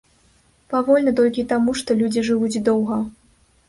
Павольна толькі таму, што людзі жывуць доўга.